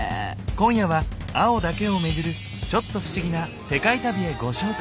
今夜は「青」だけをめぐるちょっと不思議な世界旅へご招待。